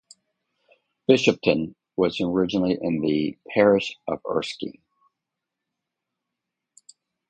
Bishopton was originally in the "Parish of Erskine".